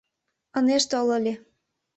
Ынеж тол ыле.